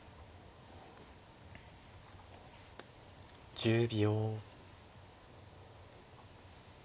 １０秒。